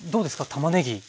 たまねぎ。